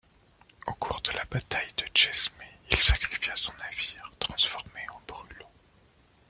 Au cours de la bataille de Tchesmé, il sacrifia son navire, transformé en brûlot.